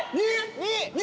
２？２？